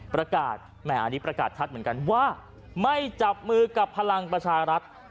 พบกีฟีใหม่นะครับ